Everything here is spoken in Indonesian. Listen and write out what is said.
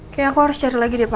oke aku harus cari lagi deh pak